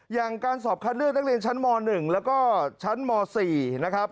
อย่างการสอบคัดเลือกนักเรียนชั้นม๑แล้วก็ชั้นม๔นะครับ